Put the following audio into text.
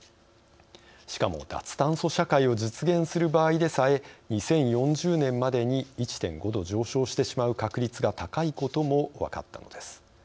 しかも脱炭素社会を実現する場合でさえ２０４０年までに１．５度上昇してしまう確率が高いことも分かったのです。